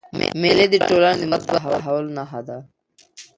مېلې د ټولني د مثبت تحول نخښه ده.